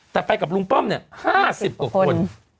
แต่ไปกับลุงป้อมเนี่ย๕๐กว่าคน